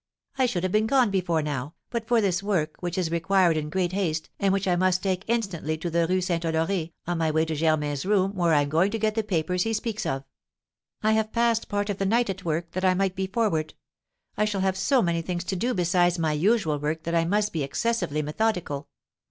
I should have been gone before now, but for this work, which is required in great haste, and which I must take instantly to the Rue St. Honoré, on my way to Germain's room, where I am going to get the papers he speaks of. I have passed part of the night at work, that I might be forward. I shall have so many things to do besides my usual work that I must be excessively methodical.